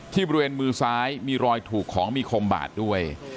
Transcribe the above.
บริเวณมือซ้ายมีรอยถูกของมีคมบาดด้วย